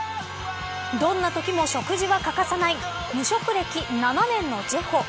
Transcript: どんなときも食事は欠かさない無職歴７年のジェホ。